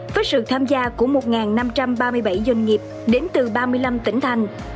với sự tham gia của một năm trăm ba mươi bảy doanh nghiệp đến từ ba mươi năm tỉnh thành